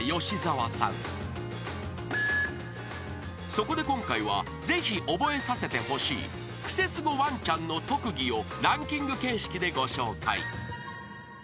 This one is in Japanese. ［そこで今回はぜひ覚えさせてほしいクセスゴわんちゃんの特技をランキング形式でご紹介］